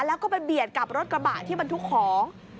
แล้วก็ไปเบียดกับรถกระบะที่บรรทุกของ